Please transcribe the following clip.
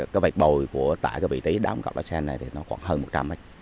cái vẹt bồi của tải cái vị trí đóng khoảng một trăm linh mét